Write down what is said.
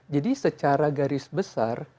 jadi secara garis besar